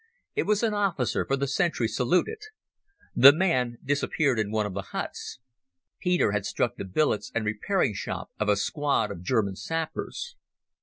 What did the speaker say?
It was an officer, for the sentry saluted. The man disappeared in one of the huts. Peter had struck the billets and repairing shop of a squad of German sappers.